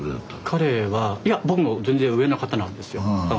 彼はいや全然上の方なんですよ。